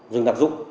dừng đặc dụng